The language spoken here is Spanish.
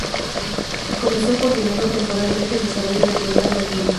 Comenzó coordinando temporalmente el desarrollo del programa "Gimp".